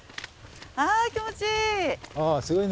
あ気持ちいい！